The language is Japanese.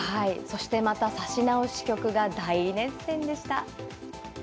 そしてまた指し直し局が大熱戦でした。